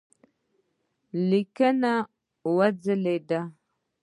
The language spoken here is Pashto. لیکه وځلېده.